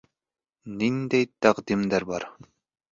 Ниндәй тәҡдимдәр бар?